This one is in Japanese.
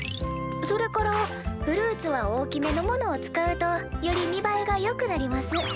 それからフルーツは大きめのものを使うとより見栄えがよくなります。